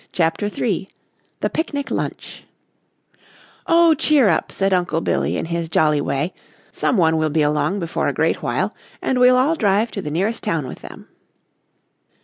CHAPTER III THE PICNIC LUNCH "Oh, cheer up," said Uncle Billy in his jolly way, "some one will be along before a great while and we'll all drive to the nearest town with them."